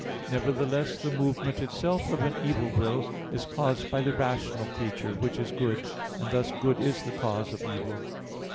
Nevertheless the movement itself of an evil will is caused by the rational creature, which is good; and thus good is the cause of evil.